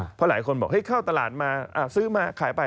เพราะหลายคนบอกเข้าตลาดมาซื้อมาขายไป